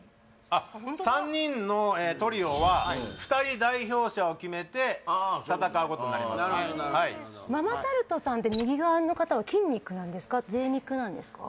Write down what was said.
あっ３人のトリオは２人代表者を決めて戦うことになりますママタルトさんって右側の方は筋肉なんですか贅肉なんですか？